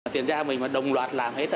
tiền gia mình mà đồng loạt làm hết